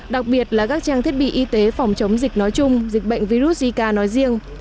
đặc biệt là các trang thiết bị y tế phòng chống dịch nói chung dịch bệnh virus zika nói riêng